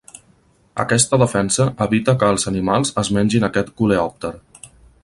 Aquesta defensa evita que els animals es mengin aquest coleòpter.